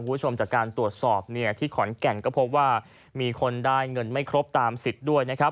ว้าวชมจากการตรวจสอบที่ขอนแก่งก็พบว่ามีคนได้เงินไม่ครบตามสิทธิ์ด้วย